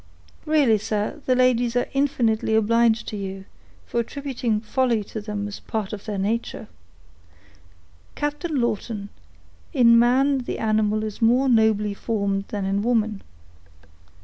"Really, sir, the ladies are infinitely obliged to you, for attributing folly to them as part of their nature." "Captain Lawton, in man the animal is more nobly formed than in woman.